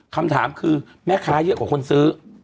คำถามคือแม่ค้าเยอะกว่าคนซื้อ